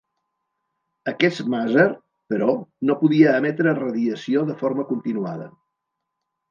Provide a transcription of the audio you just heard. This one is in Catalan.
Aquest màser, però, no podia emetre radiació de forma continuada.